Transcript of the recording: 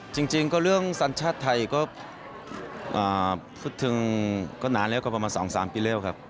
จริงก็เรื่องสัญชาติไทยก็พูดถึงก็นานแล้วก็ประมาณ๒๓ปีแล้วครับ